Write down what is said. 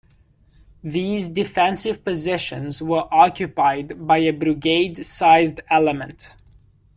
These defensive positions were occupied by a brigade-sized element.